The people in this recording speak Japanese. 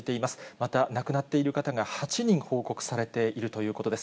また亡くなっている方が８人報告されているということです。